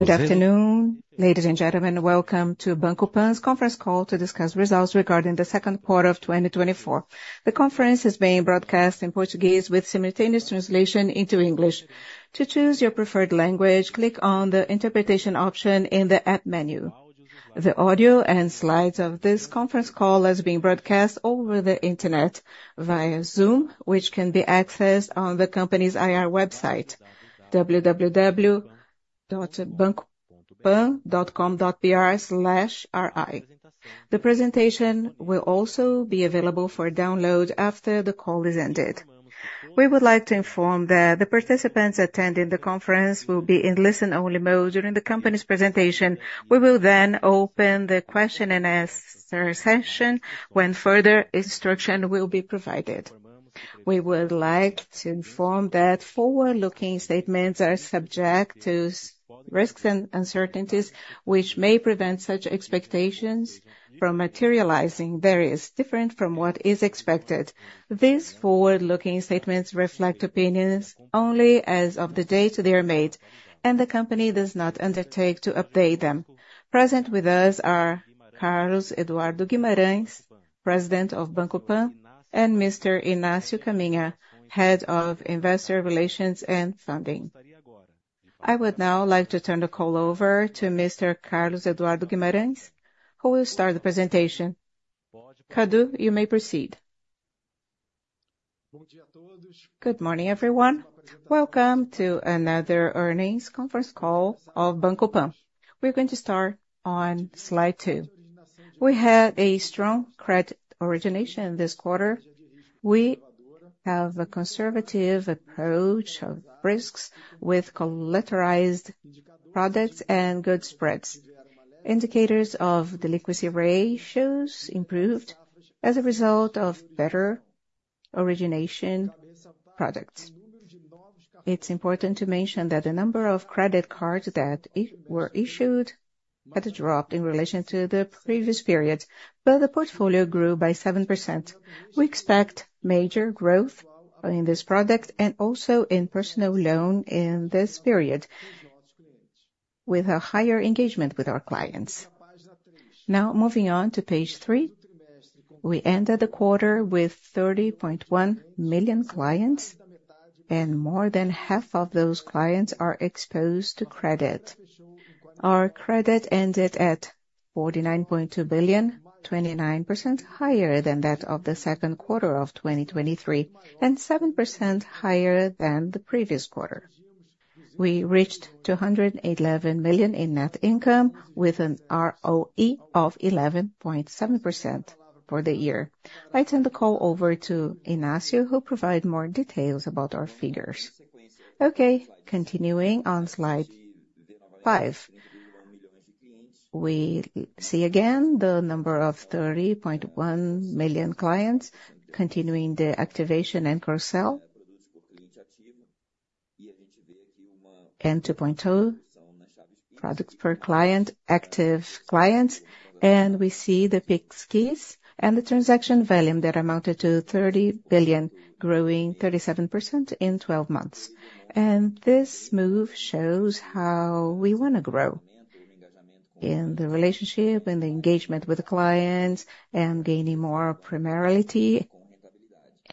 Good afternoon, ladies and gentlemen. Welcome to Banco PAN's Conference Call to discuss results regarding the Second Quarter of 2024. The conference is being broadcast in Portuguese with simultaneous translation into English. To choose your preferred language, click on the interpretation option in the app menu. The audio and slides of this conference call is being broadcast over the internet via Zoom, which can be accessed on the company's IR website, www.bancopan.com.br/ri. The presentation will also be available for download after the call has ended. We would like to inform that the participants attending the conference will be in listen-only mode during the company's presentation. We will then open the question-and-answer session, when further instruction will be provided. We would like to inform that forward-looking statements are subject to risks and uncertainties, which may prevent such expectations from materializing various, different from what is expected. These forward-looking statements reflect opinions only as of the date they are made, and the company does not undertake to update them. Present with us are Carlos Eduardo Guimarães, President of Banco PAN, and Mr. Inácio Caminha, Head of Investor Relations and Funding. I would now like to turn the call over to Mr. Carlos Eduardo Guimarães, who will start the presentation. Cadu, you may proceed. Good morning, everyone. Welcome to another earnings conference call of Banco PAN. We're going to start on slide 2. We had a strong credit origination this quarter. We have a conservative approach of risks with collateralized products and good spreads. Indicators of delinquency ratios improved as a result of better origination products. It's important to mention that the number of credit cards that were issued had dropped in relation to the previous period, but the portfolio grew by 7%. We expect major growth in this product, and also in personal loan in this period, with a higher engagement with our clients. Now, moving on to page three. We ended the quarter with 30.1 million clients, and more than half of those clients are exposed to credit. Our credit ended at 49.2 billion, 29% higher than that of the second quarter of 2023, and 7% higher than the previous quarter. We reached 211 million in net income, with an ROE of 11.7% for the year. I turn the call over to Inácio, who'll provide more details about our figures. Okay, continuing on slide 5. We see again the number of 30.1 million clients, continuing the activation and cross-sell. 2.2 products per client, active clients, and we see the Pix Keys and the transaction volume that amounted to 30 billion, growing 37% in 12 months. This move shows how we wanna grow in the relationship and the engagement with the clients, and gaining more primarility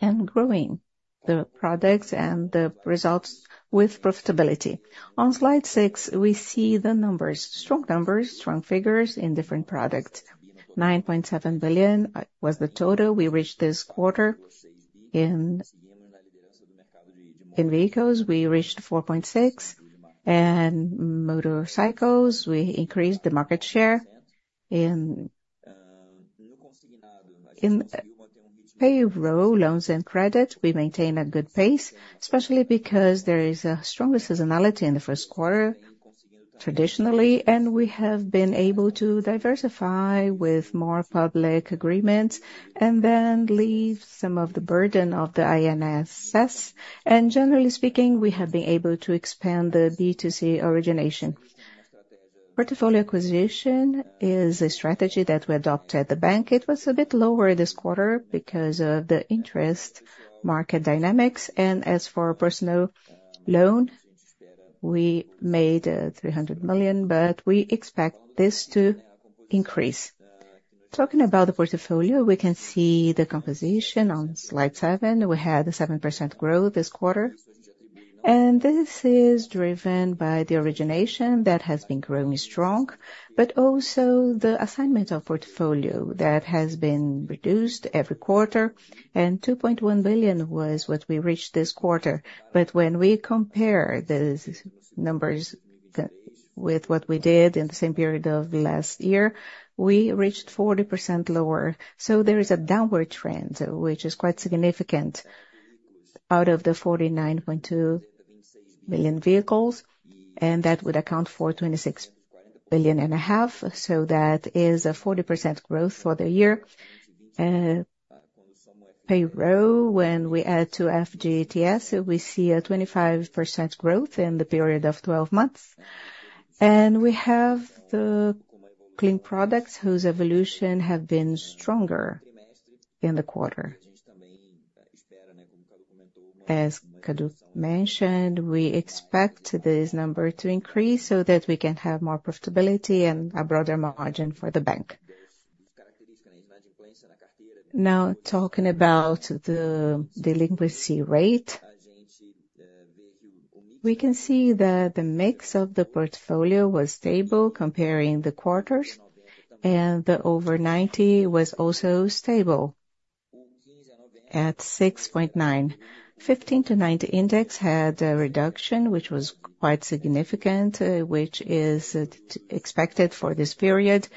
and growing the products and the results with profitability. On slide 6, we see the numbers, strong numbers, strong figures in different products. 9.7 billion was the total we reached this quarter. In vehicles, we reached 4.6 billion, and motorcycles, we increased the market share. In payroll, loans and credit, we maintained a good pace, especially because there is a stronger seasonality in the first quarter, traditionally, and we have been able to diversify with more public agreements, and then leave some of the burden of the INSS. And generally speaking, we have been able to expand the B2C origination. Portfolio acquisition is a strategy that we adopted at the bank. It was a bit lower this quarter because of the interest market dynamics. And as for personal loan, we made 300 million, but we expect this to increase. Talking about the portfolio, we can see the composition on slide 7. We had a 7% growth this quarter, and this is driven by the origination that has been growing strong, but also the assignment of portfolio that has been reduced every quarter, and 2.1 billion was what we reached this quarter. But when we compare the numbers with what we did in the same period of last year, we reached 40% lower. So there is a downward trend, which is quite significant. Out of the 49.2 billion vehicles, and that would account for 26.5 billion, so that is a 40% growth for the year. Payroll, when we add to FGTS, we see a 25% growth in the period of 12 months. We have the clean products, whose evolution have been stronger in the quarter, as Cadu mentioned, we expect this number to increase so that we can have more profitability and a broader margin for the bank. Now, talking about the delinquency rate, we can see that the mix of the portfolio was stable comparing the quarters, and the over 90 was also stable at 6.9. 15 to 90 index had a reduction, which was quite significant, which is expected for this period.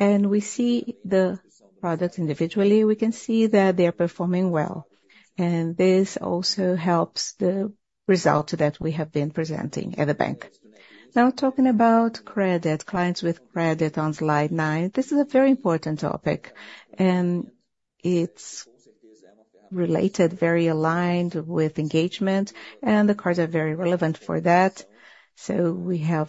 We see the products individually, we can see that they are performing well, and this also helps the result that we have been presenting at the bank. Now, talking about credit, clients with credit on slide 9. This is a very important topic, and it's related, very aligned with engagement, and the cards are very relevant for that. So we have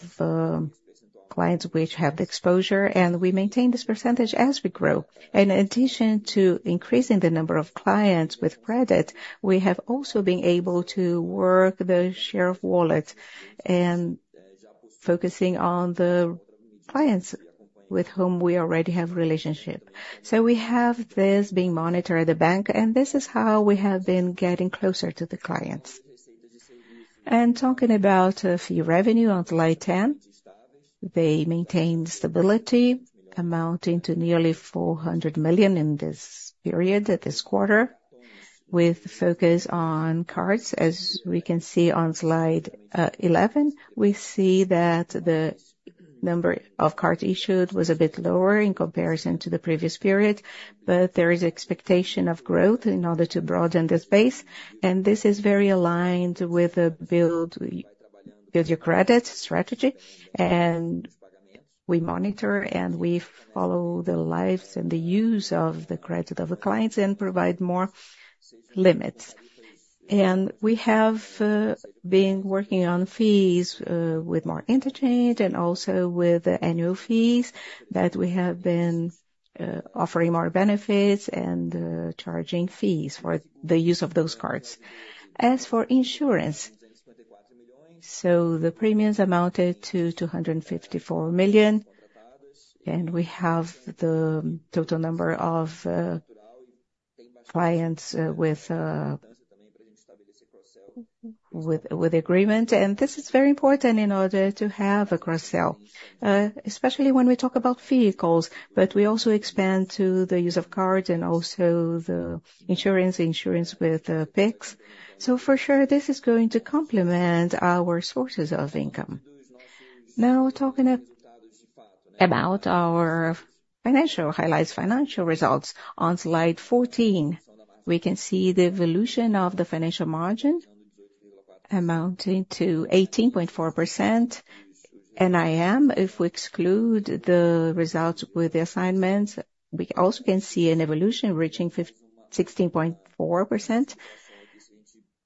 clients which have the exposure, and we maintain this percentage as we grow. And in addition to increasing the number of clients with credit, we have also been able to work the share of wallet and focusing on the clients with whom we already have relationship. So we have this being monitored at the bank, and this is how we have been getting closer to the clients. Talking about fee revenue on slide 10, they maintained stability, amounting to nearly 400 million in this period, at this quarter, with focus on cards. As we can see on slide 11, we see that the number of cards issued was a bit lower in comparison to the previous period, but there is expectation of growth in order to broaden this base, and this is very aligned with the build, build your credit strategy. We monitor, and we follow the lives and the use of the credit of the clients and provide more limits. We have been working on fees with more interchange and also with annual fees, that we have been offering more benefits and charging fees for the use of those cards. As for insurance, the premiums amounted to 254 million, and we have the total number of clients with agreement. This is very important in order to have a cross-sell, especially when we talk about vehicles, but we also expand to the use of cards and also the insurance with Pix. For sure, this is going to complement our sources of income. Now, talking about our financial highlights, financial results. On Slide 14, we can see the evolution of the financial margin amounting to 18.4%. NIM, if we exclude the results with the assignments, we also can see an evolution reaching 16.4%.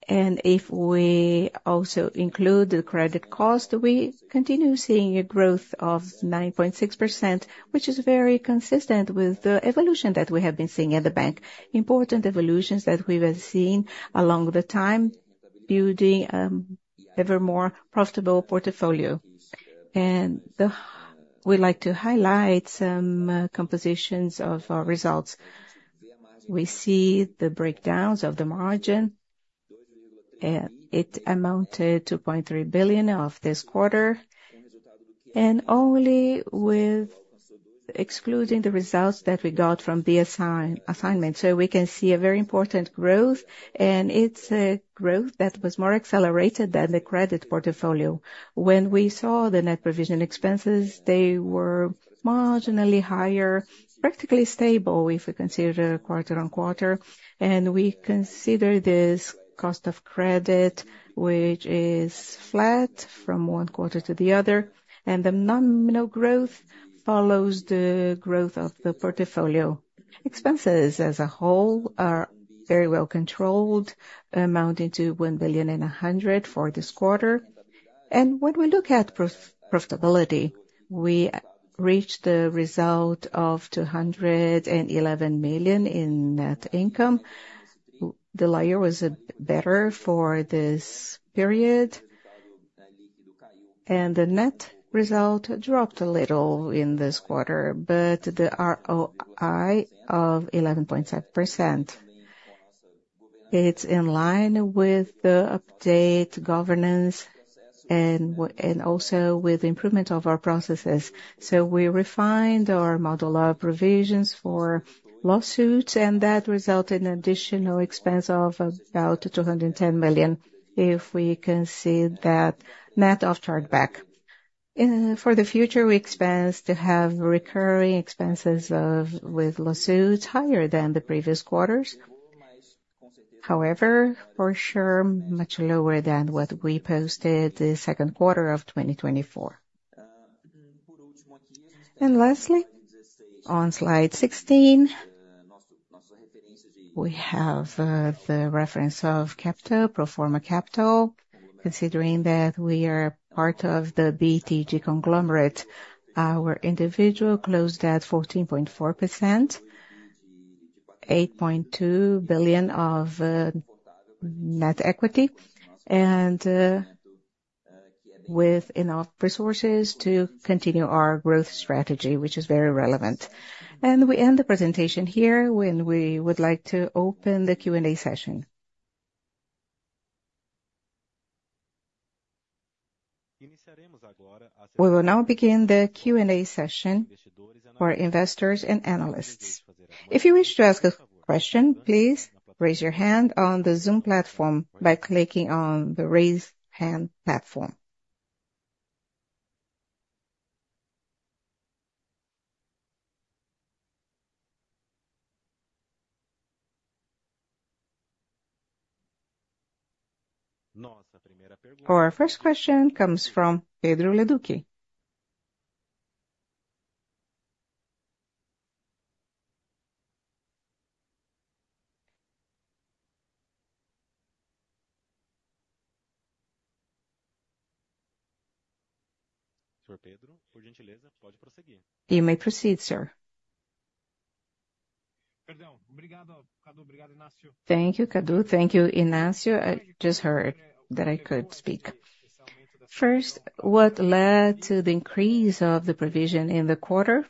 If we also include the credit cost, we continue seeing a growth of 9.6%, which is very consistent with the evolution that we have been seeing at the bank. Important evolutions that we have seen along the time, building ever more profitable portfolio. And we'd like to highlight some compositions of our results. We see the breakdowns of the margin, and it amounted to 0.3 billion of this quarter, and only with excluding the results that we got from the assignment. So we can see a very important growth, and it's a growth that was more accelerated than the credit portfolio. When we saw the net provision expenses, they were marginally higher, practically stable, if we consider quarter-over-quarter. We consider this cost of credit, which is flat from one quarter to the other, and the nominal growth follows the growth of the portfolio. Expenses, as a whole, are very well controlled, amounting to 1.1 billion for this quarter. When we look at profitability, we reached the result of 211 million in net income. The layer was better for this period, and the net result dropped a little in this quarter, but the ROI of 11.7%. It's in line with the updated governance and also with improvement of our processes. We refined our model of provisions for lawsuits, and that resulted in additional expense of about 210 million, if we can see that net of chargeback. For the future, we expect to have recurring expenses of, with lawsuits higher than the previous quarters. However, for sure, much lower than what we posted the second quarter of 2024. And lastly, on slide 16, we have the reference of capital, pro forma capital. Considering that we are part of the BTG conglomerate, our individual closed at 14.4%, BRL 8.2 billion of net equity. And with enough resources to continue our growth strategy, which is very relevant. And we end the presentation here, and we would like to open the Q&A session. We will now begin the Q&A session for investors and analysts. If you wish to ask a question, please raise your hand on the Zoom platform by clicking on the Raise Hand platform. Our first question comes from Pedro Leduc. You may proceed, sir. Thank you, Cadu. Thank you, Inácio. I just heard that I could speak. First, what led to the increase of the provision in the quarter,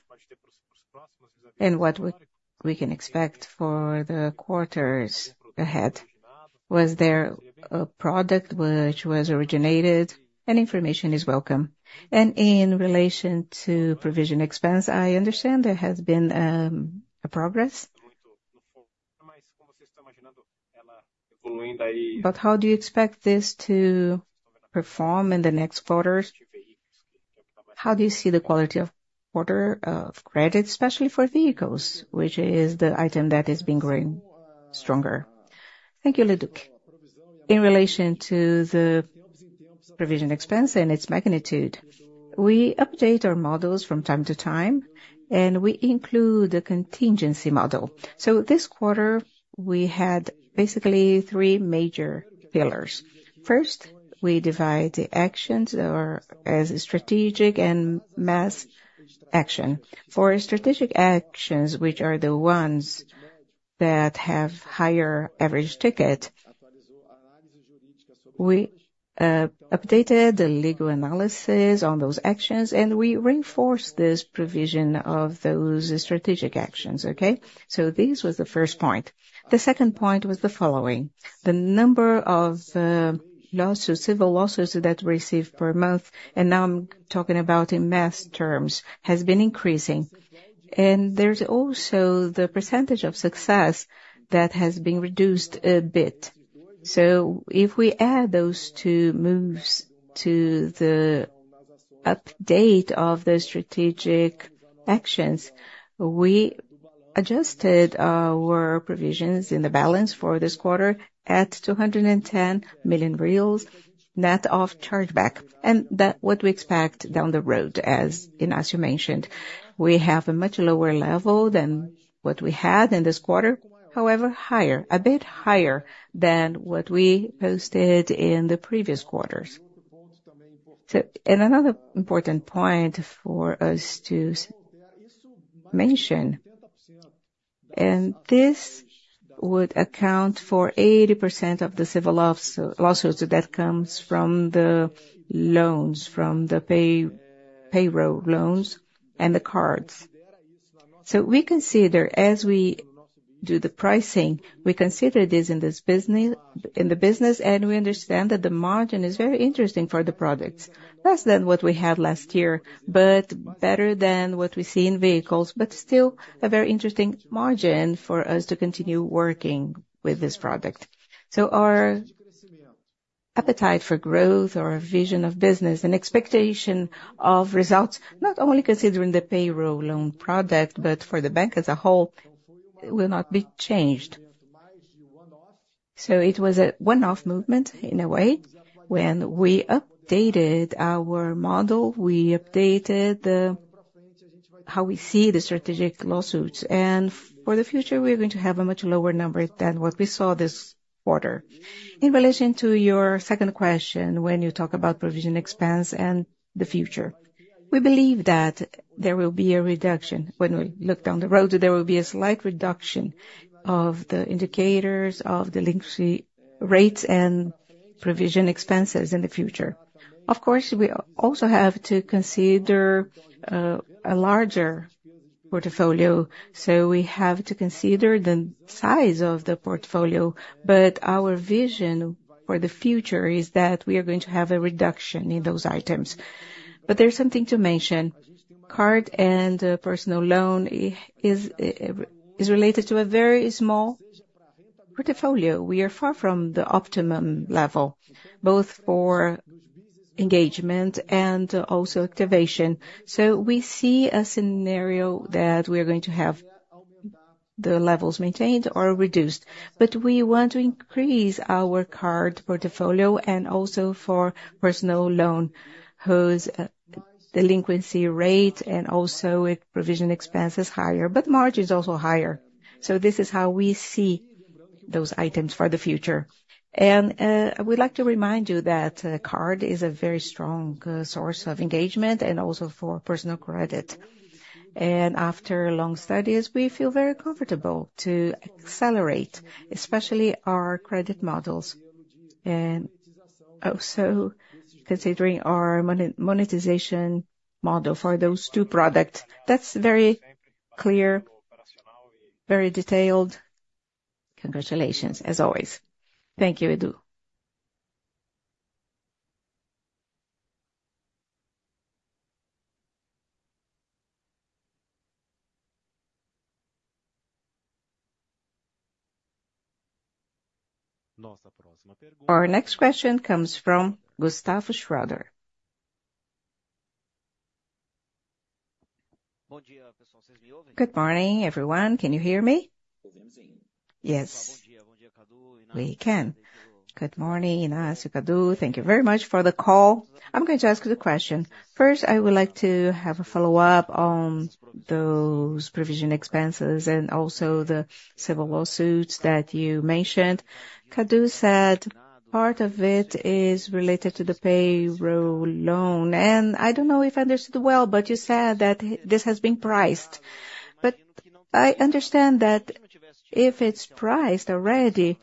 and what would we can expect for the quarters ahead? Was there a product which was originated? Any information is welcome. And in relation to provision expense, I understand there has been a progress, but how do you expect this to perform in the next quarters? How do you see the quality of quarter of credit, especially for vehicles, which is the item that has been growing stronger? Thank you, Leduc. In relation to the provision expense and its magnitude, we update our models from time to time, and we include the contingency model. So this quarter, we had basically three major pillars. First, we divide the actions or as strategic and mass action. For strategic actions, which are the ones that have higher average ticket, we updated the legal analysis on those actions, and we reinforced this provision of those strategic actions, okay? So this was the first point. The second point was the following: the number of lawsuits, civil lawsuits that we receive per month, and now I'm talking about in mass terms, has been increasing. There's also the percentage of success that has been reduced a bit. So if we add those two moves to the update of the strategic actions, we adjusted our provisions in the balance for this quarter at 210 million reais, net of chargeback, and that what we expect down the road, as Inácio mentioned. We have a much lower level than what we had in this quarter, however, higher, a bit higher than what we posted in the previous quarters. And another important point for us to mention, and this would account for 80% of the civil lawsuits that comes from the loans, from the payroll loans and the cards. So we consider, as we do the pricing, we consider this in this business, in the business, and we understand that the margin is very interesting for the products. Less than what we had last year, but better than what we see in vehicles, but still a very interesting margin for us to continue working with this product. So our appetite for growth or vision of business and expectation of results, not only considering the payroll loan product, but for the bank as a whole, will not be changed. So it was a one-off movement, in a way. When we updated our model, we updated the, how we see the strategic lawsuits, and for the future, we are going to have a much lower number than what we saw this quarter. In relation to your second question, when you talk about provision expense and the future, we believe that there will be a reduction. When we look down the road, there will be a slight reduction of the indicators of delinquency rates and provision expenses in the future. Of course, we also have to consider a larger portfolio, so we have to consider the size of the portfolio, but our vision for the future is that we are going to have a reduction in those items. But there's something to mention. Card and personal loan is related to a very small portfolio. We are far from the optimum level, both for engagement and also activation. So we see a scenario that we are going to have the levels maintained or reduced. But we want to increase our card portfolio and also for personal loan, whose delinquency rate and also provision expense is higher, but margin is also higher. So this is how we see those items for the future. And, I would like to remind you that card is a very strong source of engagement and also for personal credit. And after long studies, we feel very comfortable to accelerate, especially our credit models, and also considering our monetization model for those two products. That's very clear, very detailed. Congratulations, as always. Thank you, Cadu. Our next question comes from Gustavo Schroden. Good morning, everyone. Can you hear me? Yes, we can. Good morning, Inácio, Cadu. Thank you very much for the call. I'm going to ask you the question. First, I would like to have a follow-up on those provision expenses and also the civil lawsuits that you mentioned. Cadu said part of it is related to the payroll loan, and I don't know if I understood well, but you said that this has been priced. But I understand that if it's priced already,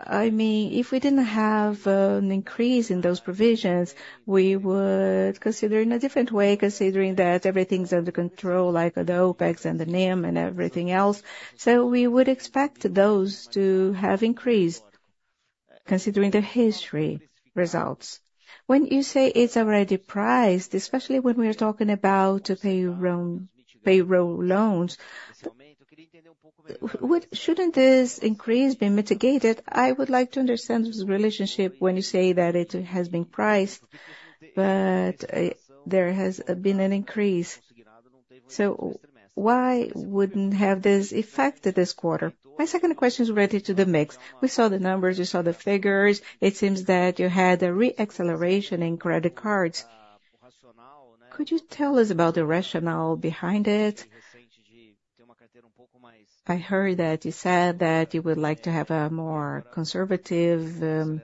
I mean, if we didn't have an increase in those provisions, we would consider in a different way, considering that everything's under control, like the OpEx and the NIM and everything else. So we would expect those to have increased, considering the history results. When you say it's already priced, especially when we are talking about payroll, payroll loans, what shouldn't this increase be mitigated? I would like to understand this relationship when you say that it has been priced, but there has been an increase. So why wouldn't have this effect this quarter? My second question is related to the mix. We saw the numbers, we saw the figures. It seems that you had a re-acceleration in credit cards. Could you tell us about the rationale behind it? I heard that you said that you would like to have a more conservative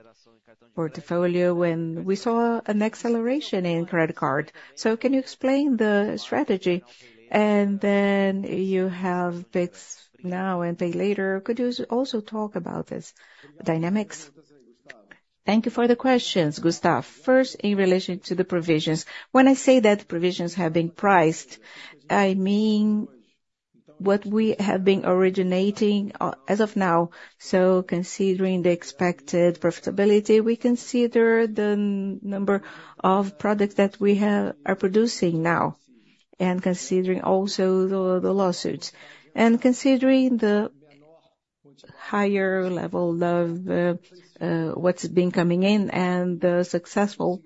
portfolio, and we saw an acceleration in credit card. So can you explain the strategy? And then you have Pix now and pay later. Could you also talk about this dynamics? Thank you for the questions, Gustavo. First, in relation to the provisions. When I say that provisions have been priced, I mean what we have been originating as of now. So considering the expected profitability, we consider the number of products that we are producing now, and considering also the lawsuits. Considering the higher level of what's been coming in and the successful,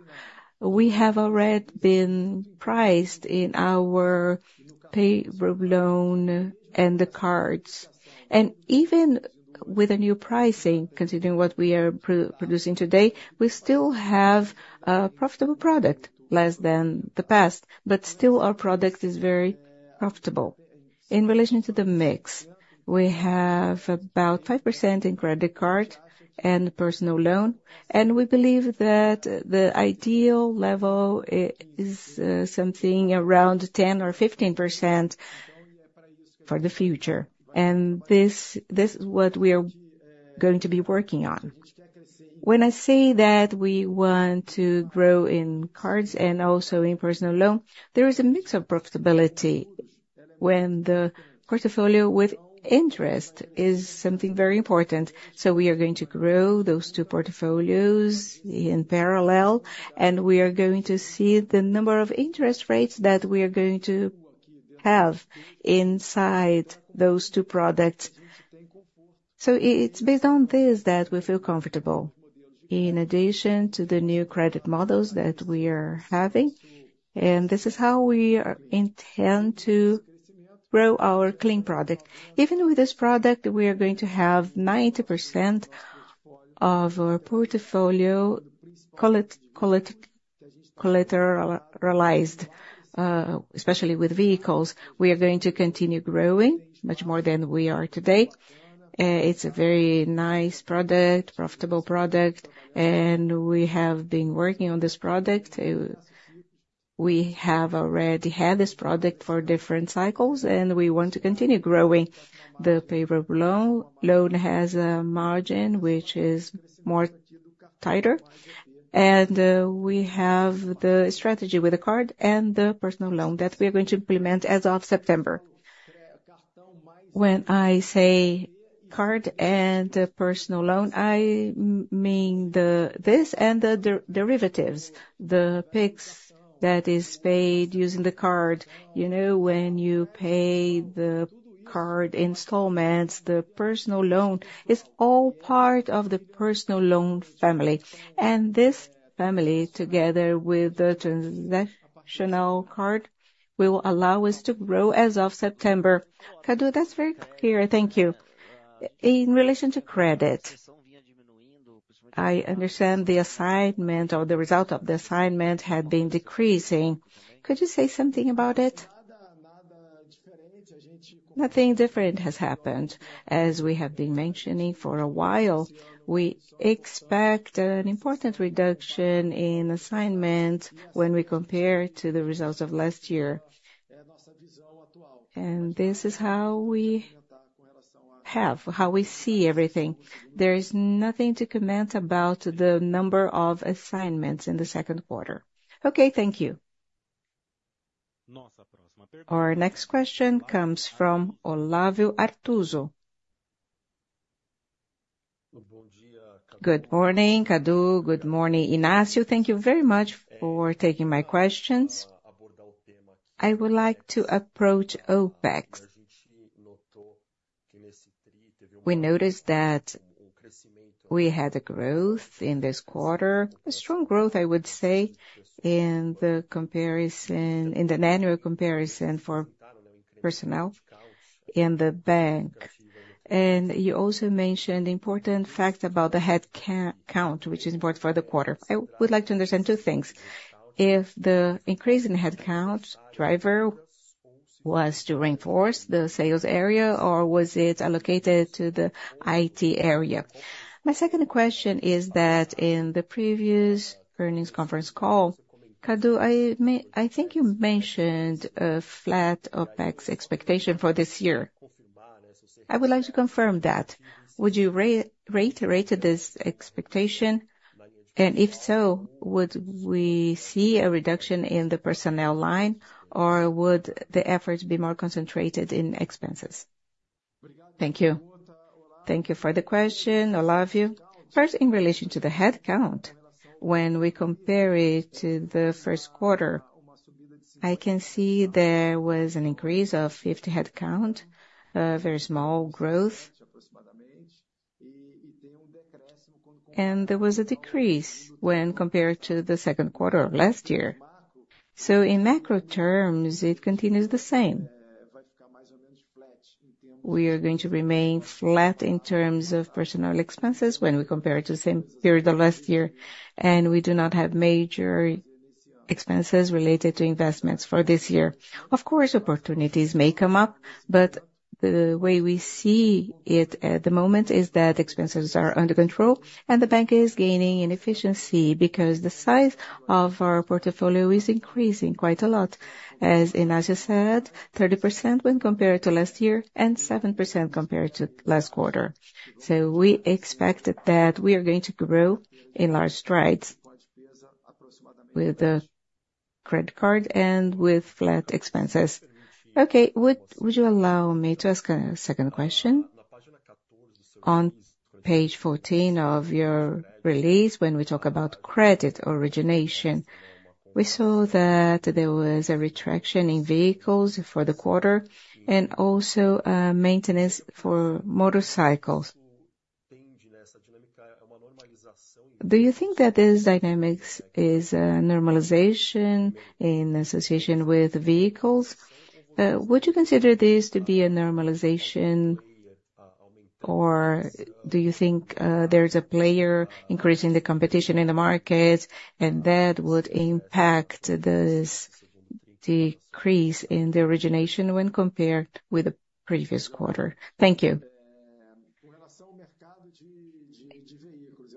we have already been priced in our payroll loan and the cards. Even with the new pricing, considering what we are producing today, we still have a profitable product, less than the past, but still our product is very profitable. In relation to the mix, we have about 5% in credit card and personal loan, and we believe that the ideal level is something around 10% or 15% for the future. This is what we are going to be working on. When I say that we want to grow in cards and also in personal loan, there is a mix of profitability when the portfolio with interest is something very important. So we are going to grow those two portfolios in parallel, and we are going to see the number of interest rates that we are going to have inside those two products. So it's based on this that we feel comfortable, in addition to the new credit models that we are having, and this is how we intend to grow our clean product. Even with this product, we are going to have 90% of our portfolio collateralized, especially with vehicles. We are going to continue growing much more than we are today. It's a very nice product, profitable product, and we have been working on this product. We have already had this product for different cycles, and we want to continue growing. The payroll loan has a margin which is more tighter, and we have the strategy with the card and the personal loan that we are going to implement as of September. When I say card and personal loan, I mean this and the derivatives, the Pix that is paid using the card. You know, when you pay the card installments, the personal loan, it's all part of the personal loan family. And this family, together with the transactional card, will allow us to grow as of September. Cadu, that's very clear. Thank you. In relation to credit, I understand the assignment or the result of the assignment had been decreasing. Could you say something about it? Nothing different has happened. As we have been mentioning for a while, we expect an important reduction in assignment when we compare to the results of last year. And this is how we have, how we see everything. There is nothing to comment about the number of assignments in the second quarter. Okay, thank you. Our next question comes from Olavo Artuso. Good morning, Cadu. Good morning, Inácio. Thank you very much for taking my questions. I would like to approach OpEx. We noticed that we had a growth in this quarter, a strong growth, I would say, in the comparison, in the annual comparison for personnel in the bank. And you also mentioned important fact about the headcount, which is important for the quarter. I would like to understand two things: If the increase in headcount driver was to reinforce the sales area, or was it allocated to the IT area? My second question is that in the previous earnings conference call, Cadu, I think you mentioned a flat OpEx expectation for this year. I would like to confirm that. Would you reiterate this expectation, and if so, would we see a reduction in the personnel line, or would the effort be more concentrated in expenses? Thank you. Thank you for the question, Olavo. First, in relation to the headcount, when we compare it to the first quarter, I can see there was an increase of 50 headcount, a very small growth. And there was a decrease when compared to the second quarter of last year. So in macro terms, it continues the same. We are going to remain flat in terms of personnel expenses when we compare it to the same period of last year, and we do not have major expenses related to investments for this year. Of course, opportunities may come up, but the way we see it at the moment is that expenses are under control and the bank is gaining in efficiency because the size of our portfolio is increasing quite a lot. As Inácio said, 30% when compared to last year and 7% compared to last quarter. So we expected that we are going to grow in large strides with the credit card and with flat expenses. Okay. Would you allow me to ask a second question? On page 14 of your release, when we talk about credit origination, we saw that there was a retraction in vehicles for the quarter and also in motorcycles. Do you think that this dynamics is a normalization in association with vehicles? Would you consider this to be a normalization, or do you think there's a player increasing the competition in the market and that would impact this decrease in the origination when compared with the previous quarter? Thank you.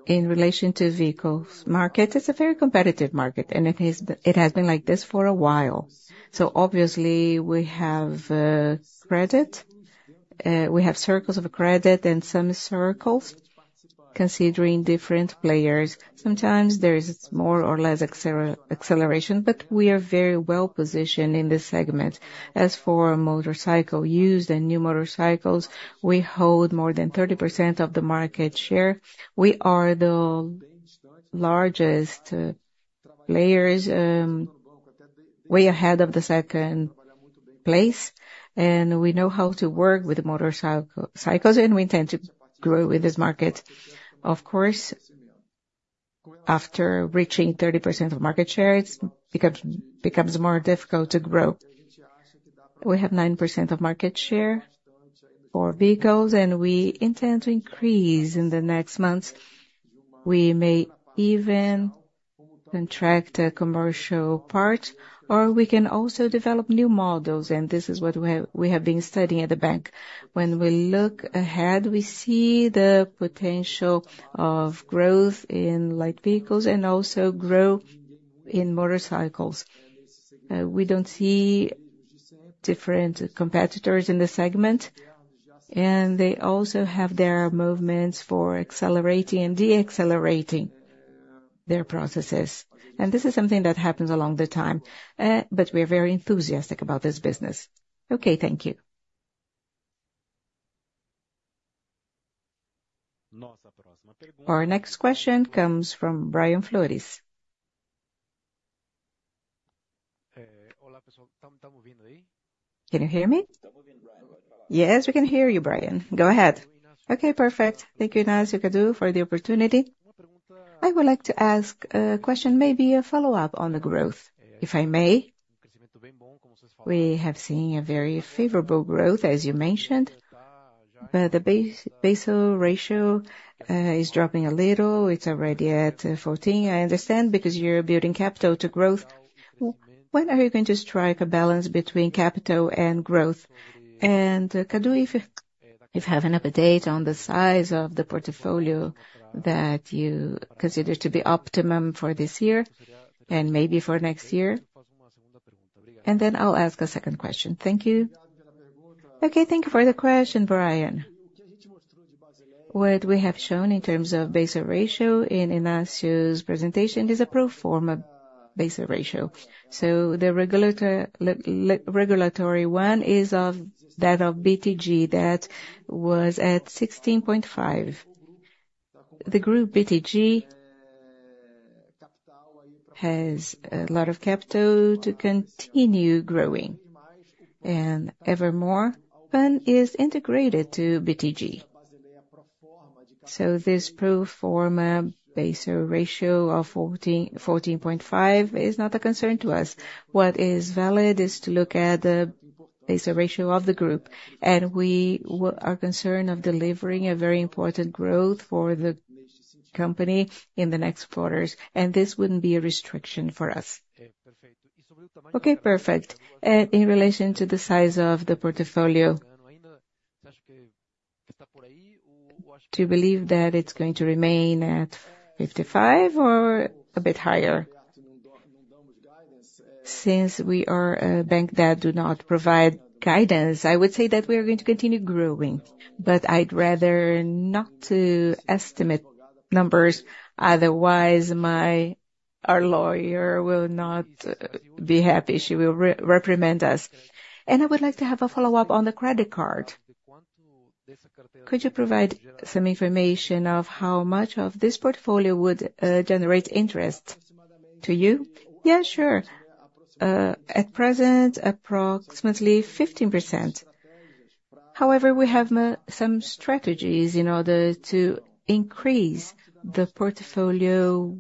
In relation to vehicles market, it's a very competitive market, and it has been like this for a while. So obviously, we have credit cycles and some cycles considering different players. Sometimes there is more or less acceleration, but we are very well positioned in this segment. As for motorcycle use and new motorcycles, we hold more than 30% of the market share. We are the largest players, way ahead of the second place, and we know how to work with motorcycles, and we intend to grow with this market. Of course, after reaching 30% of market share, it becomes more difficult to grow. We have 9% of market share for vehicles, and we intend to increase in the next months. We may even contract a commercial part, or we can also develop new models, and this is what we have been studying at the bank. When we look ahead, we see the potential of growth in light vehicles and also growth in motorcycles. We don't see different competitors in the segment, and they also have their movements for accelerating and deaccelerating their processes. And this is something that happens along the time, but we are very enthusiastic about this business. Okay, thank you. Our next question comes from Brian Flores. Can you hear me? Yes, we can hear you, Brian. Go ahead. Okay, perfect. Thank you, Inácio, Cadu, for the opportunity. I would like to ask a question, maybe a follow-up on the growth, if I may. We have seen a very favorable growth, as you mentioned, but the Basel ratio is dropping a little. It's already at 14, I understand, because you're building capital to growth. When are you going to strike a balance between capital and growth? And Cadu, if you have an update on the size of the portfolio that you consider to be optimum for this year, and maybe for next year? And then I'll ask a second question. Thank you. Okay, thank you for the question, Brian. What we have shown in terms of Basel Ratio in Inácio's presentation is a Pro Forma Basel Ratio. So the regulatory one is that of BTG, that was at 16.5%. The group BTG has a lot of capital to continue growing, and even more, PAN is integrated to BTG. So this Pro Forma Basel Ratio of 14%-14.5% is not a concern to us. What is valid is to look at the Basel Ratio of the group, and we are concerned of delivering a very important growth for the company in the next quarters, and this wouldn't be a restriction for us. Okay, perfect. In relation to the size of the portfolio, do you believe that it's going to remain at 55 or a bit higher? Since we are a bank that do not provide guidance, I would say that we are going to continue growing, but I'd rather not to estimate numbers, otherwise my.--our lawyer will not be happy. She will reprimand us. And I would like to have a follow-up on the credit card. Could you provide some information of how much of this portfolio would generate interest to you? Yeah, sure. At present, approximately 15%. However, we have some strategies in order to increase the portfolio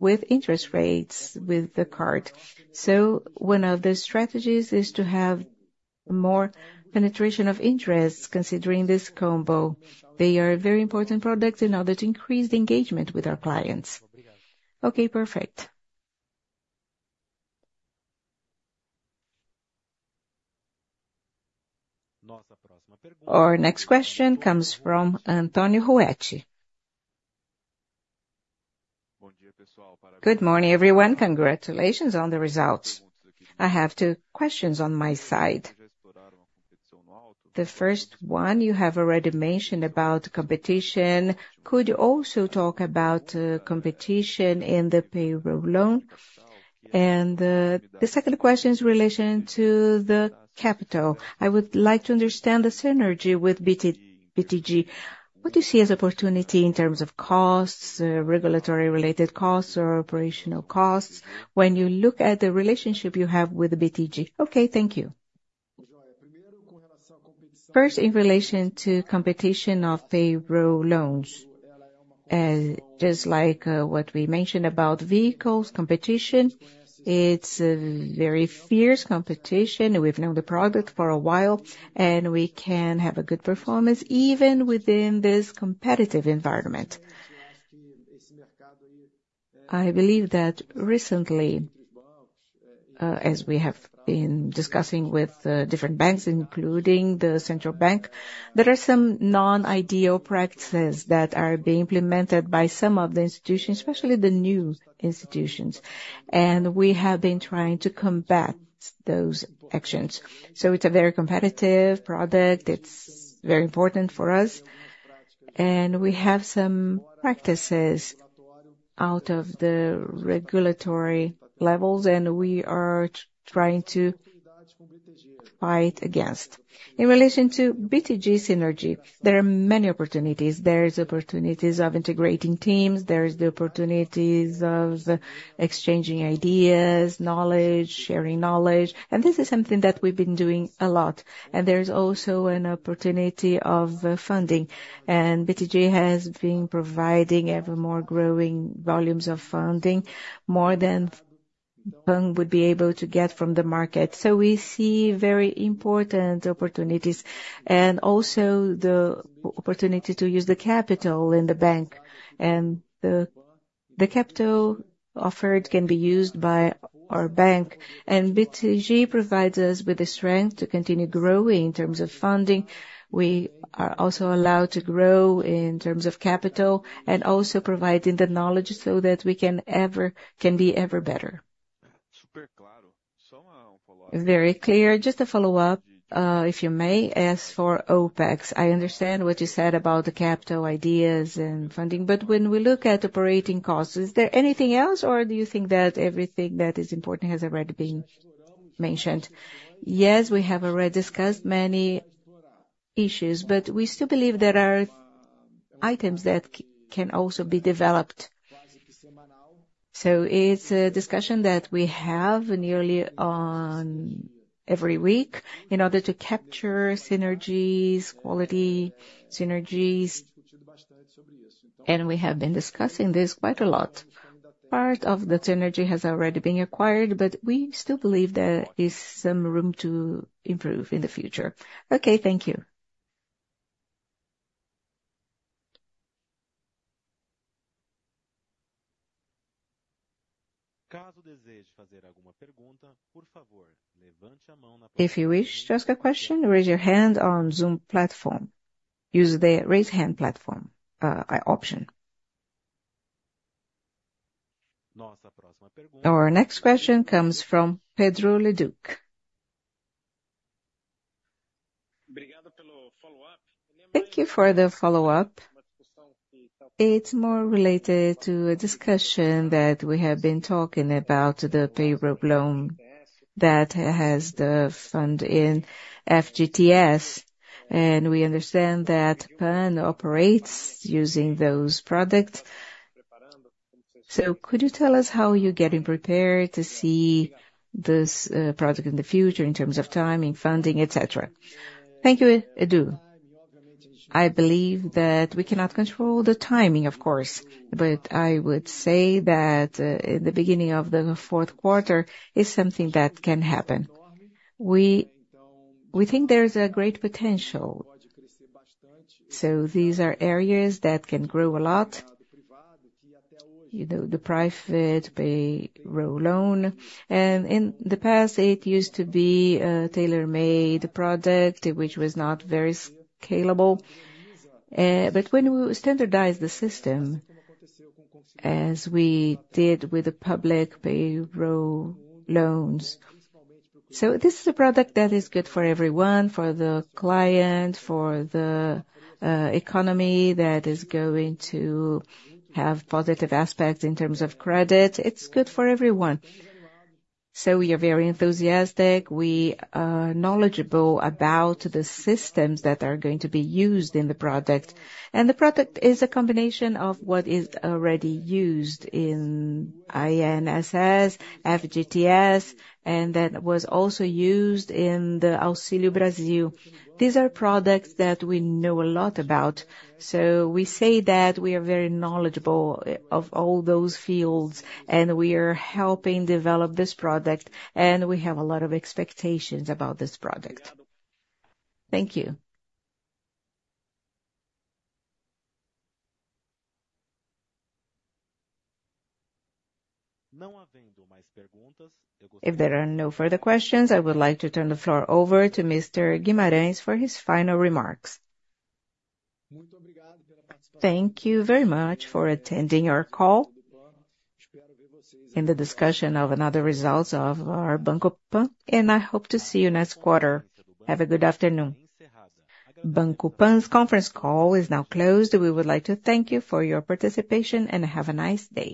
with interest rates with the card. So one of the strategies is to have more penetration of interests, considering this combo. They are a very important product in order to increase the engagement with our clients. Okay, perfect. Our next question comes from Antonio Ruette. Good morning, everyone. Congratulations on the results. I have two questions on my side. The first one, you have already mentioned about competition. Could you also talk about competition in the payroll loan? And, the second question is in relation to the capital. I would like to understand the synergy with BTG. What do you see as opportunity in terms of costs, regulatory related costs or operational costs when you look at the relationship you have with BTG? Okay, thank you. First, in relation to competition of payroll loans. Just like what we mentioned about vehicles, competition, it's a very fierce competition. We've known the product for a while, and we can have a good performance even within this competitive environment. I believe that recently, as we have been discussing with, different banks, including the central bank, there are some non-ideal practices that are being implemented by some of the institutions, especially the new institutions, and we have been trying to combat those actions. So it's a very competitive product. It's very important for us, and we have some practices out of the regulatory levels, and we are trying to fight against. In relation to BTG synergy, there are many opportunities. There is opportunities of integrating teams, there is the opportunities of exchanging ideas, knowledge, sharing knowledge, and this is something that we've been doing a lot. And there is also an opportunity of, funding, and BTG has been providing ever more growing volumes of funding, more than PAN would be able to get from the market. So we see very important opportunities and also the opportunity to use the capital in the bank, and the capital offered can be used by our bank. BTG provides us with the strength to continue growing in terms of funding. We are also allowed to grow in terms of capital and also providing the knowledge so that we can be ever better. Very clear. Just to follow up, if you may, as for OpEx, I understand what you said about the capital ideas and funding, but when we look at operating costs, is there anything else, or do you think that everything that is important has already been mentioned? Yes, we have already discussed many issues, but we still believe there are items that can also be developed. So it's a discussion that we have nearly on every week in order to capture synergies, quality synergies, and we have been discussing this quite a lot. Part of the synergy has already been acquired, but we still believe there is some room to improve in the future. Okay, thank you. If you wish to ask a question, raise your hand on Zoom platform. Use the Raise Hand platform option. Our next question comes from Pedro Leduc. Thank you for the follow-up. It's more related to a discussion that we have been talking about, the payroll loan that has the fund in FGTS, and we understand that PAN operates using those products. So could you tell us how you're getting prepared to see this product in the future in terms of timing, funding, et cetera? Thank you, Leduc. I believe that we cannot control the timing, of course, but I would say that in the beginning of the fourth quarter is something that can happen. We think there is a great potential, so these are areas that can grow a lot, you know, the private payroll loan. And in the past, it used to be a tailor-made product, which was not very scalable. But when we standardize the system, as we did with the public payroll loans. So this is a product that is good for everyone, for the client, for the economy that is going to have positive aspects in terms of credit. It's good for everyone. So we are very enthusiastic. We are knowledgeable about the systems that are going to be used in the product, and the product is a combination of what is already used in INSS, FGTS, and that was also used in the Auxílio Brasil. These are products that we know a lot about, so we say that we are very knowledgeable of all those fields, and we are helping develop this product, and we have a lot of expectations about this product. Thank you. If there are no further questions, I would like to turn the floor over to Mr. Guimarães for his final remarks. Thank you very much for attending our call. And the discussion of another results of our Banco PAN, and I hope to see you next quarter. Have a good afternoon. Banco PAN's conference call is now closed. We would like to thank you for your participation, and have a nice day.